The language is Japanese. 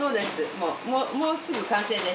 もうすぐ完成です。